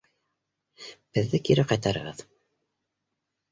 — Беҙҙе кире ҡайтарығыҙ!